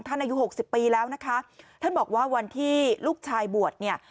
อายุหกสิบปีแล้วนะคะท่านบอกว่าวันที่ลูกชายบวชเนี่ย